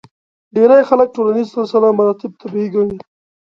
ډېری خلک ټولنیز سلسله مراتب طبیعي ګڼي.